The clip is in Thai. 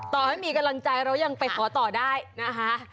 ต่อให้มีกำลังใจเรายังไปขอต่อได้นะคะ